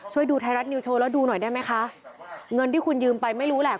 ดูไทยรัฐนิวโชว์แล้วดูหน่อยได้ไหมคะเงินที่คุณยืมไปไม่รู้แหละ